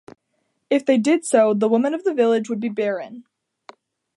If they did so the women of the village would be barren.